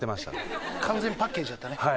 完全にパッケージやったね。